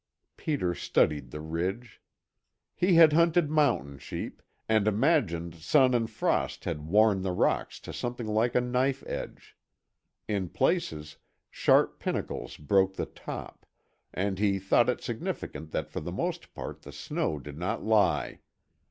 Peter studied the ridge. He had hunted mountain sheep and imagined sun and frost had worn the rocks to something like a knife edge. In places, sharp pinnacles broke the top, and he thought it significant that for the most part the snow did not lie.